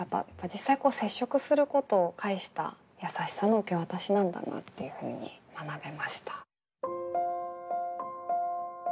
実際接触することを介したやさしさの受け渡しなんだなっていうふうに学べました。